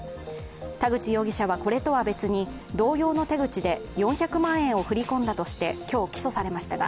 田口容疑者はこれとは別に同様の手口で４００万円を振り込んだとして今日起訴されましたが、